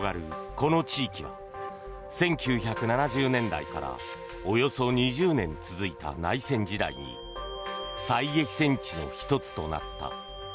この地域は１９７０年代からおよそ２０年続いた内戦時代に最激戦地の１つとなった。